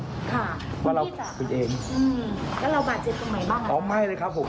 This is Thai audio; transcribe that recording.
คุณพี่จ๋าครับแล้วเราบาดเจ็บตรงไหนบ้าง